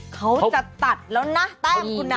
เขาจะตัดแล้วนะแต้มคุณ